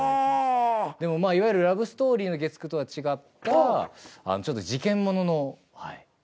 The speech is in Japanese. でもいわゆるラブストーリーの月９とは違ったちょっと事件もののはい。